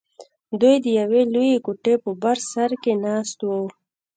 دوى د يوې لويې کوټې په بر سر کښې ناست وو.